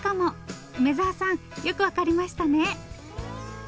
梅沢さんよく分かりましたね。